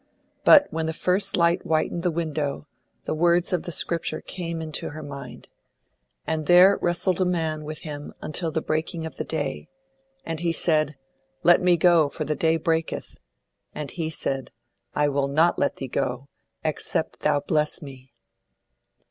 But when the first light whitened the window, the words of the Scripture came into her mind: "And there wrestled a man with him until the breaking of the day.... And he said, Let me go, for the day breaketh. And he said, I will not let thee go, except thou bless me."